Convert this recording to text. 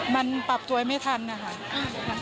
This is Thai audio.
มันปรับตัวไม่ทัน